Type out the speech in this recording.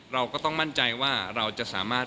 เราก็ต้องมั่นใจว่าเราจะสามารถ